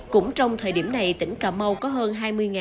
cũng trong thời điểm này tỉnh cà mau có hơn hai mươi tám trăm linh người